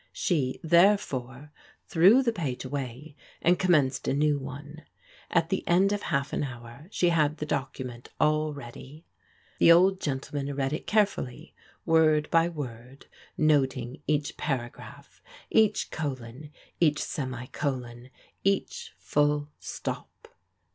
She, therefore, threw the page away and commenced a new one. At the end of half an hour she had the document all ready. The old gentleman read it carefully, word by word, noting each paragraph, each colon, each semicolon, each full stop.